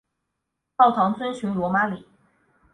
教堂遵循罗马礼。